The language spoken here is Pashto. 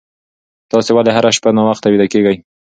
تاسي ولې هره شپه ناوخته ویده کېږئ؟